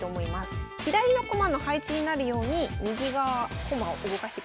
左の駒の配置になるように右側駒を動かしてください。